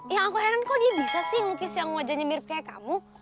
yang aku heran kok dia bisa sih lukis yang wajahnya mirip kayak kamu